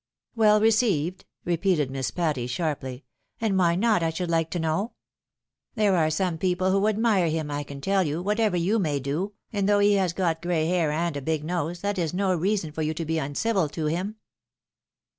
" Well received ?" repeated Miss Patty, sharply, " and why not, I should like to know ? There are some people who admire him, I can teU you, whatever you may do, and though he has got gray hair and a big nose, that is no reason for you to be uncivil to him."